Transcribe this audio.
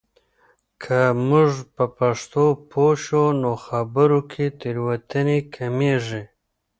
که موږ په پښتو پوه شو، نو خبرو کې تېروتنې کمېږي.